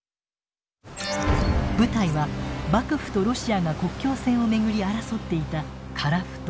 舞台は幕府とロシアが国境線を巡り争っていた樺太。